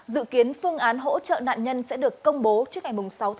dự kiến phương án hỗ trợ nạn nhân sẽ được công bố trước ngày sáu một mươi một hai nghìn hai mươi ba